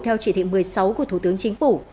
theo chỉ thị một mươi sáu của thủ tướng chính phủ